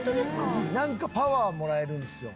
なんかパワーもらえるんですよ。